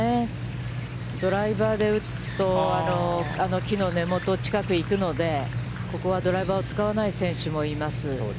ドライバーで打つと、あの木の根元近くに行くので、ここはドライバーを使わない選手もいます。